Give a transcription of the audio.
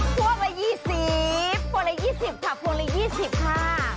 พ่วงละยี่สิบพ่วงละยี่สิบค่ะพ่วงละยี่สิบค่ะ